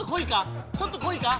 ちょっとこいか？